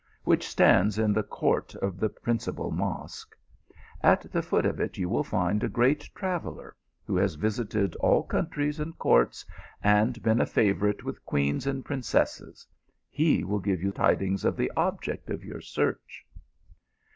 which stands in the court of the prin cipal mosque ; at the foot of it you will find a great traveller, who has visited all countries and courts, and been a favourite with queens and princesses. He will give you tidings of the object of your search."